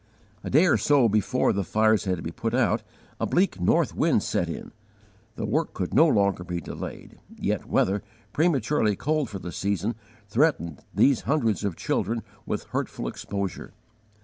A day or so before the fires had to be put out, a bleak north wind set in. The work could no longer be delayed; yet weather, prematurely cold for the season, threatened these hundreds of children with hurtful exposure.